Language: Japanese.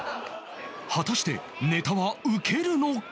果たしてネタはウケるのか？